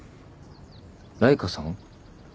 ライカさん。